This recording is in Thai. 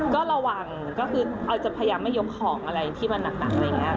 ก็ระวังก็คือเราจะพยายามไม่ยกของอะไรที่มันหนักอะไรอย่างนี้